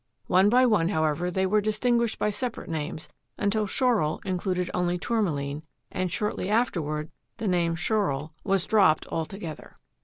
One by one, however, they were distinguished by separate names until Schorl included only Tourmaline, and shortly afterward the name Schorl was dropped altogether.